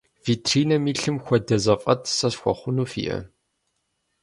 Витринэм илъым хуэдэ зэфӏэт сэ схуэхъуну фиӏэ?